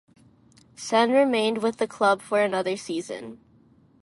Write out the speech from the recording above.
Senn remained with the club for another season.